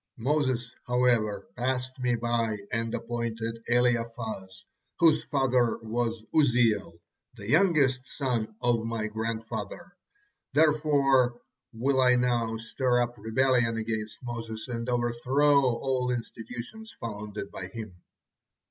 Moses, however, passed me by and appointed Elizaphan, whose father was Uzziel, the youngest son of my grandfather. Therefore will I now stir up rebellion against Moses, and overthrow all institutions founded by him."